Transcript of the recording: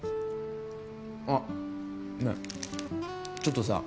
あねぇちょっとさ